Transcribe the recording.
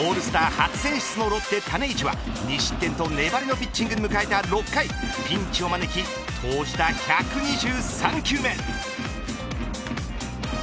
初選出のロッテ、種市は２失点と粘りのピッチングで迎えた６回ピンチを招き投じた１２３球目。